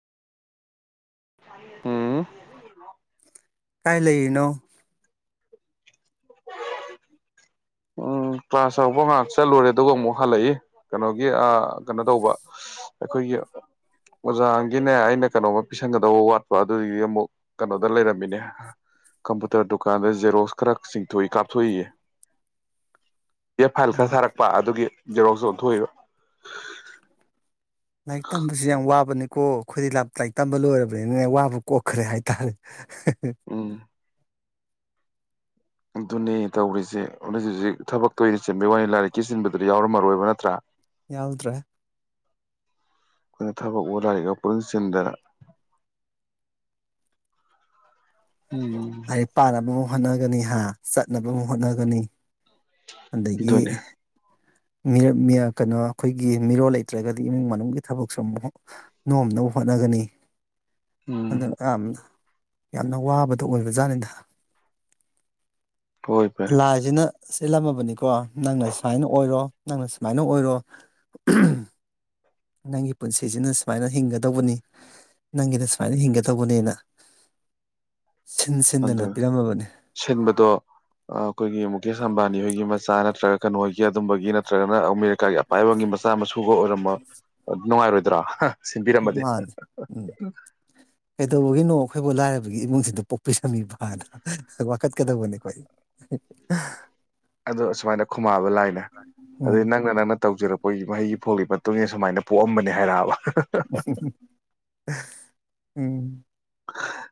ꯎꯝ ꯀꯥꯏ ꯂꯩꯔꯤꯅꯣ ꯎꯝ ꯀ꯭ꯂꯥꯁ ꯍꯧꯕ ꯉꯥꯏꯍꯥꯛ ꯆꯠꯂꯨꯔꯦ ꯑꯗꯨꯒ ꯑꯃꯨꯛ ꯍꯜꯂꯛꯏ ꯀꯩꯅꯣꯒꯤ ꯀꯩꯅꯣ ꯇꯧꯕ ꯑꯩꯈꯣꯏꯒꯤ ꯑꯣꯖꯥꯒꯤꯅꯦ ꯑꯩꯅ ꯀꯩꯅꯣꯃ ꯄꯤꯁꯟꯒꯗꯧꯕ ꯋꯥꯠꯄ ꯑꯗꯨꯗꯤ ꯑꯃꯨꯛ ꯀꯩꯅꯣꯗ ꯂꯩꯔꯝꯃꯤꯅꯦ ꯀꯝꯄꯨꯇꯔ ꯗꯨꯀꯥꯟꯗ ꯖꯦꯔꯣꯛꯁ ꯈꯔ ꯆꯤꯡꯊꯣꯛꯏ ꯀꯥꯞꯊꯣꯛꯏꯌꯦ ꯌꯦ ꯐꯥꯏꯜ ꯈꯔ ꯎꯝ ꯊꯥꯔꯛꯄ ꯑꯗꯨꯒꯤ ꯖꯦꯔꯣꯛꯁꯨ ꯑꯣꯟꯊꯣꯛꯏꯕ ꯂꯥꯏꯔꯤꯛ ꯇꯝꯕꯁꯨ ꯌꯥꯝ ꯋꯥꯕꯅꯤꯀꯣ ꯑꯩꯈꯣꯏꯗꯤ ꯂꯥꯏꯔꯤꯛ ꯇꯝꯕ ꯂꯣꯏꯔꯕꯅꯤꯅ ꯋꯥꯕ ꯀꯣꯛꯈ꯭ꯔꯦ ꯍꯥꯏꯇꯥꯔꯦ ꯎ ꯎꯝ ꯑꯗꯨꯅꯦ ꯇꯧꯔꯤꯁꯦ ꯍꯧ ꯍꯧꯖꯤꯛ ꯍꯧꯖꯤꯛ ꯊꯕꯛꯛꯇꯔꯤꯁꯤ ꯁꯤꯟꯕꯤꯒꯤ ꯋꯥꯅꯤ ꯂꯥꯏꯔꯤꯛꯀꯤ ꯁꯤꯟꯕꯗ ꯌꯥꯎꯔꯝꯃꯣꯏ ꯅꯠꯇ꯭ꯔ ꯌꯥꯎꯗ꯭ꯔꯦ ꯑꯩꯈꯣꯏꯅ ꯊꯕꯛ ꯑꯣꯊꯔꯤꯒ ꯄꯨꯟꯁꯤꯟꯗ ꯑ ꯄꯥꯔꯕꯨ ꯍꯣꯠꯅꯒꯅꯤ ꯍꯥ ꯆꯠꯅꯕ ꯍꯣꯠꯅꯒꯅꯤ ꯑꯗꯒꯤ ꯑꯗꯨꯅꯦ ꯀꯩꯅꯣ ꯑꯩꯈꯣꯏꯒꯤ ꯃꯤꯔꯣꯜ ꯂꯩꯇ꯭ꯔꯒꯗꯤ ꯏꯃꯨꯡ ꯃꯅꯨꯡꯒꯤ ꯊꯕꯛꯁꯨ ꯑꯃꯨꯛ ꯅꯣꯝꯅꯕ ꯍꯣꯠꯅꯒꯅꯤ ꯑꯗ ꯎꯝ ꯑ ꯌꯥꯝꯅ ꯋꯥꯕꯗ ꯑꯣꯏꯕꯖꯥꯠꯅꯤꯗ ꯍꯣꯏ ꯐꯔꯦ ꯂꯥꯏꯖꯤꯅ ꯁꯤꯜꯂꯝꯃꯕꯅꯤꯀꯣ ꯅꯪꯅ ꯁꯨꯃꯥꯏꯅ ꯑꯣꯏꯔꯣ ꯅꯪꯅ ꯁꯨꯃꯥꯏꯅ ꯑꯣꯏꯔꯣ ꯅꯪꯒꯤ ꯄꯨꯟꯁꯤꯁꯤꯅ ꯁꯨꯃꯥꯏꯅ ꯍꯤꯡꯒꯗꯧꯕꯅꯤ ꯅꯪꯒꯤꯅ ꯁꯨꯃꯥꯏꯅ ꯍꯤꯡꯒꯗꯧꯕꯅꯦꯅ ꯁꯤꯟ ꯁꯤꯟꯗꯅ ꯑꯗꯨ ꯄꯤꯔꯝꯃꯕꯅꯤ ꯁꯤꯟꯕꯗꯣ ꯑꯩꯈꯣꯏꯒꯤ ꯃꯨꯀꯦ ꯁꯝꯕꯥꯅꯤ ꯍꯣꯏꯒꯤ ꯃꯆꯥ ꯅꯠꯇ꯭ꯔꯒ ꯀꯩꯅꯣꯒꯤ ꯑꯗꯨꯝꯕꯒꯤ ꯅꯠꯇ꯭ꯔꯒꯅꯔ ꯀꯥꯒꯤ ꯑꯄꯥꯏꯕꯒꯤ ꯃꯆꯥ ꯃꯁꯨꯒ ꯑꯣꯏꯔꯝꯕ ꯅꯨꯡꯉꯥꯏꯔꯣꯏꯗ꯭ꯔꯥ ꯁꯤꯟꯕꯤꯔꯝꯃꯗꯤ ꯃꯥꯅꯦ ꯎꯝ ꯀꯗ ꯍꯒꯅꯣ ꯑꯩꯈꯣꯏꯕꯨ ꯂꯥꯏꯔꯕꯒꯤ ꯏꯃꯨꯡꯁꯤꯡꯗ ꯄꯣꯛꯄꯤꯔꯝꯃꯤꯕꯅ ꯋꯥꯀꯠꯀꯗꯧꯕꯅꯤꯈꯣꯏ ꯑꯗꯣ ꯁꯨꯃꯥꯏꯅ ꯈꯨꯃꯥꯕ ꯂꯥꯏꯅꯦ ꯎꯝ ꯑꯗꯨꯗꯩ ꯅꯪꯅ ꯅꯪꯅ ꯇꯧꯖꯔꯛꯄ ꯑꯩꯈꯣꯏꯒꯤ ꯃꯍꯩꯒꯤ ꯐꯣꯒꯤ ꯃꯇꯨꯡ ꯏꯟꯅ ꯁꯨꯃꯥꯏꯅ ꯄꯣꯛꯑꯝꯕꯅꯦ ꯍꯥꯏꯔꯛꯑꯕ ꯎ ꯎꯝ ꯍ